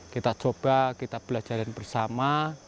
kita coba kita belajarin bersama